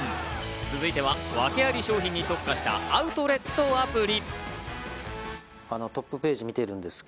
続いては訳あり商品に特化したアウトレットアプリ。